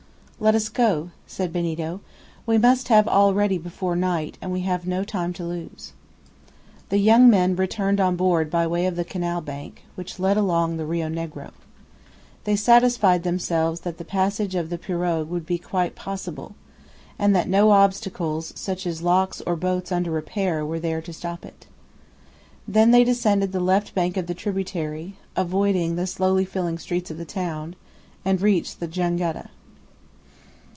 "Let us go," said Benito; "we must have all ready before night, and we have no time to lose." The young men returned on board by way of the canal bank, which led along the Rio Negro. They satisfied themselves that the passage of the pirogue would be quite possible, and that no obstacles such as locks or boats under repair were there to stop it. They then descended the left bank of the tributary, avoiding the slowly filling streets of the town, and reached the jangada.